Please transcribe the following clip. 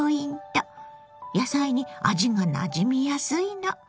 野菜に味がなじみやすいの。